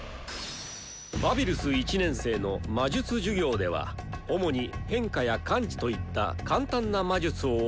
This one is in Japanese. バビルス１年生の魔術授業では主に変化や感知といった簡単な魔術を覚えていく。